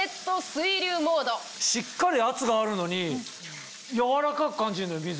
しっかり圧があるのにやわらかく感じるのよ水が。